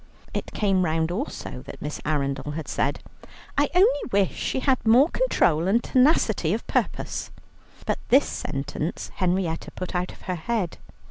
It came round also that Miss Arundel had said, "I only wish she had more control and tenacity of purpose," but this sentence Henrietta put out of her head.